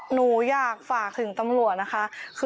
หนูอยากฝากถึงตำรวจนะคะ